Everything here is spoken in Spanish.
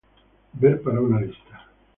Ver para una lista.